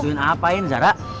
bantuin apa zara